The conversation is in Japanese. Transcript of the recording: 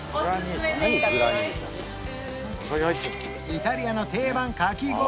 イタリアの定番かき氷